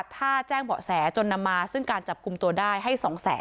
ถ้าแจ้งเหบเหแสจนนำมาซึ่งการจับกุมตัวได้ให้๒๐๐๐๐๐